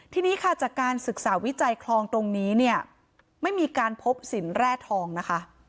ทีนี้ค่ะจากการศึกษาวิจัยคลองตรงนี้เนี่ยไม่มีการพบสินแร่ทองนะคะ